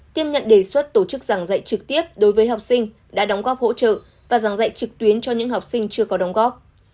tiếp nhận đề xuất tổ chức giảng dạy trực tiếp đối với học sinh đã đóng góp hỗ trợ và giảng dạy trực tuyến cho những học sinh chưa có đóng góp